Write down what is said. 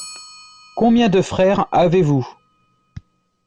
Combien de frères avez-vous ?